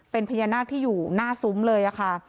เป็นพญานาคที่อยู่หน้าซุ้มเลยค่ะ